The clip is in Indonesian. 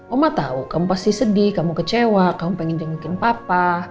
oma tahu kamu pasti sedih kamu kecewa kamu pengen dengerin papa